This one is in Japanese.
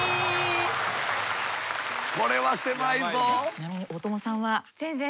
ちなみに大友さんは？